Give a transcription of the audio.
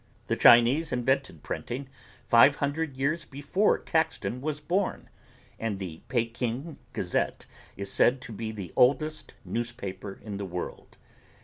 The Chinese invented printing five hundred years before Caxton was born and the Peking Gazette is said to be the oldest newspaper in the world.